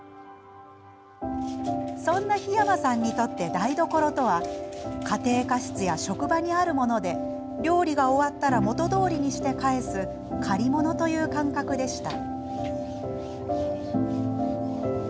そんな桧山さんにとって台所とは家庭科室や職場にあるもので料理が終わったら元どおりにして返す借りものという感覚でした。